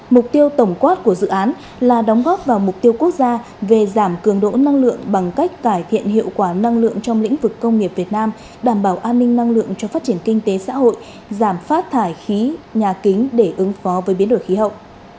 mục tiêu tổng quát của dự án là đóng góp vào mục tiêu quốc gia về giảm cường độ năng lượng bằng cách cải thiện hiệu quả năng lượng trong lĩnh vực công nghiệp việt nam đảm bảo an ninh năng lượng cho phát triển kinh tế xã hội giảm phát thải khí nhà kính để ứng phó với biến đổi khí hậu